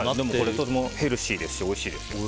とてもヘルシーですしおいしいですよ。